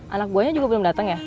anak buahnya juga belum datang ya